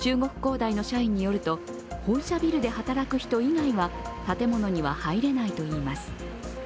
大の社員によると、本社ビルで働く人以外は建物には入れないといいます。